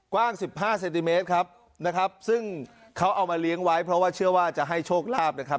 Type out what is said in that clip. กว้างสิบห้าเซนติเมตรครับนะครับซึ่งเขาเอามาเลี้ยงไว้เพราะว่าเชื่อว่าจะให้โชคลาภนะครับ